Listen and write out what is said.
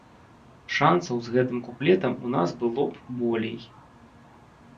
Шанцаў з гэтым куплетам у нас было б болей.